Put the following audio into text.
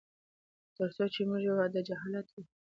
تر څو چي موږ یو داجهالت وي